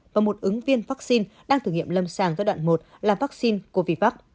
và một ứng viên vaccine đang thử nghiệm lâm sàng giai đoạn một là vaccine covid